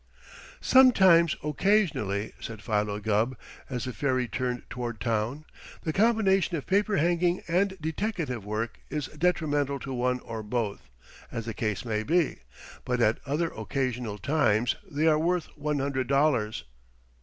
"Sometimes occasionally," said Philo Gubb, as the ferry turned toward town, "the combination of paper hanging and deteckative work is detrimental to one or both, as the case may be, but at other occasional times they are worth one hundred dollars."